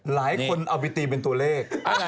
หลายคนเอาไปตีเป็นตัวเลข